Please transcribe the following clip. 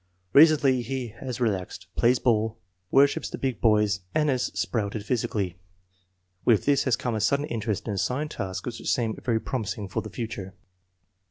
Re cently he has relaxed, plays ball, worships the big boys, and has sprouted physically. With this has come a sudden interest in assigned tasks which seems very promising for the future."